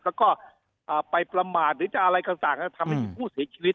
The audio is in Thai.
แล้วก็ไปประมาทหรือจะอะไรต่างทำให้มีผู้เสียชีวิต